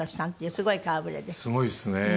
すごいですね。